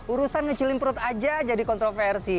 urusan ngecilin perut aja jadi kontroversi